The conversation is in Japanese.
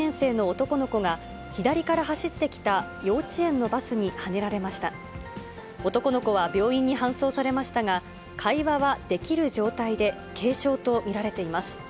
男の子は病院に搬送されましたが、会話はできる状態で、軽傷と見られています。